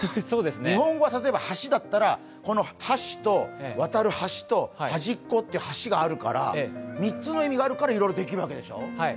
日本語は「はし」だったら箸と端と橋で端っこっていう端があるから、３つの意味があるからいろいろできるわけでしょう。